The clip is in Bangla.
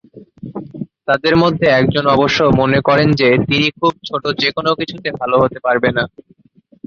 তাদের মধ্যে একজন অবশ্য মনে করেন যে তিনি খুব ছোটো যে কোন কিছুতে ভাল হতে পারবে না।